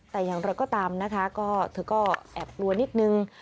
แต่อย่างไรก็ตามนะคะก็เธอก็แอบกลัวนิดนึง